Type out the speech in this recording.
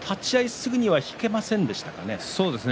すぐに引けませんでしたかね。